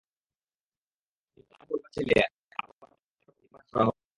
নিহত আর্জিনার পরিবার চাইলে আবার তাঁকে আটক করে জিজ্ঞাসাবাদ করা হবে।